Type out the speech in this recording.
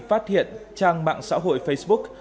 phát hiện trang mạng xã hội facebook